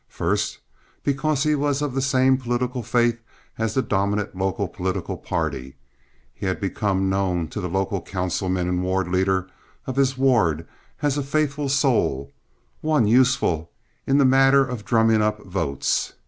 First, because he was of the same political faith as the dominant local political party, he had become known to the local councilman and ward leader of his ward as a faithful soul—one useful in the matter of drumming up votes.